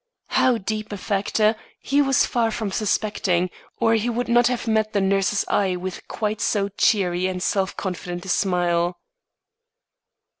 How deep a factor, he was far from suspecting, or he would not have met the nurse's eye with quite so cheery and self confident a smile.